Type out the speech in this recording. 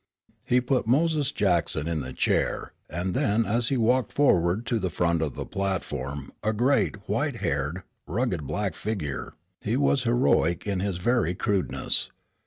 He put Moses Jackson in the chair, and then as he walked forward to the front of the platform a great, white haired, rugged, black figure, he was heroic in his very crudeness.